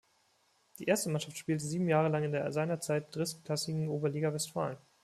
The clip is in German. Die erste Mannschaft spielte sieben Jahre lang in der seinerzeit drittklassigen Oberliga Westfalen.